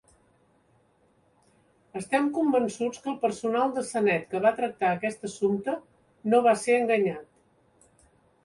Estem convençuts que el personal de Senedd que va tractar aquest assumpte no va ser enganyat.